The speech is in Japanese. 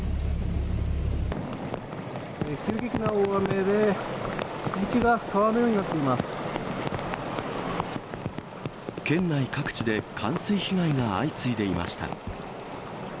急激な大雨で、道が川のよう県内各地で冠水被害が相次いでいました。